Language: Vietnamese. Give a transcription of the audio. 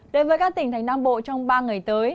đối với các tỉnh thành nam bộ trong ba ngày tới